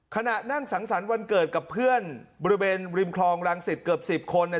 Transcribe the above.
ขณะนั่งสังสรรค์วันเกิดกับเพื่อนบริเวณริมคลองรังสิตเกือบ๑๐คนเนี่ย